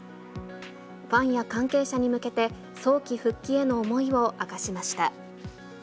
ファンや関係者に向けて、早期復帰への思いを明かしました。